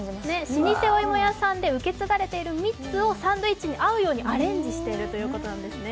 老舗お芋屋さんで受け継がれている蜜をサンドイッチに合うようにアレンジしているということなんですね。